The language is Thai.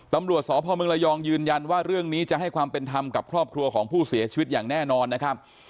ตำรวจสพเมืองระยองยืนยันว่าเรื่องนี้จะให้ความเป็นธรรมกับครอบครัวของผู้เสียชีวิตอย่างแน่นอนนะครับ